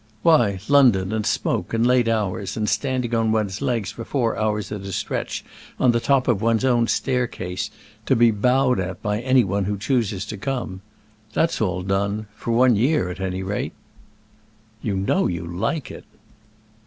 "Why, London and smoke and late hours, and standing on one's legs for four hours at a stretch on the top of one's own staircase, to be bowed at by any one who chooses to come. That's all done for one year, at any rate." "You know you like it."